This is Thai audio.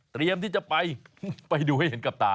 ที่จะไปไปดูให้เห็นกับตา